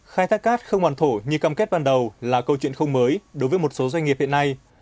khai thác cát không hoàn thổ như cam kết ban đầu là câu chuyện không mới đối với một số doanh nghiệp hiện nay